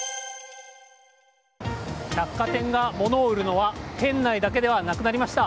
百貨店が物を売るのは店内だけではなくなりました。